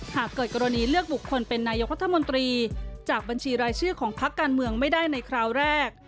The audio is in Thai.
หากเกิดกรณีเลือกบุคคลเป็นนายกรัฐมนตรีจากบัญชีรายชื่อของพักการเมืองไม่ได้ในคราวแรก